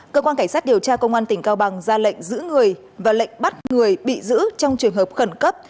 cơ quan cảnh sát điều tra công an tỉnh cao bằng ra lệnh giữ người và lệnh bắt người bị giữ trong trường hợp khẩn cấp